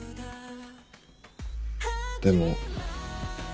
でも。